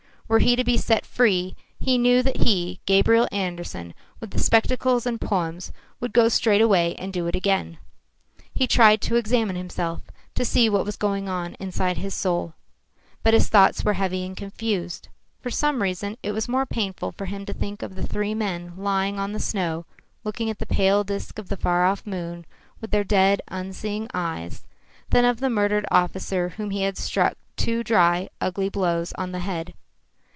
Were he to be set free, he knew that he, Gabriel Andersen, with the spectacles and poems, would go straightway and do it again. He tried to examine himself, to see what was going on inside his soul. But his thoughts were heavy and confused. For some reason it was more painful for him to think of the three men lying on the snow, looking at the pale disk of the far off moon with their dead, unseeing eyes, than of the murdered officer whom he had struck two dry, ugly blows on the head.